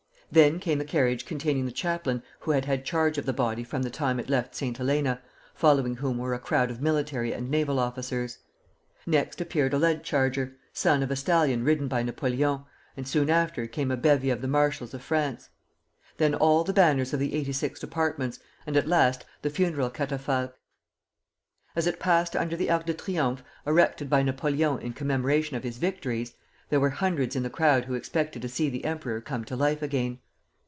Then came a carriage containing the chaplain who had had charge of the body from the time it left St. Helena, following whom were a crowd of military and naval officers. Next appeared a led charger, son of a stallion ridden by Napoleon, and soon after came a bevy of the marshals of France. Then all the banners of the eighty six departments, and at last the funeral catafalque. As it passed under the Arch of Triumph, erected by Napoleon in commemoration of his victories, there were hundreds in the crowd who expected to see the Emperor come to life again.